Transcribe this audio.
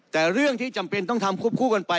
แต่เรื่องที่จำเป็นต้องทำควบคู่กันไป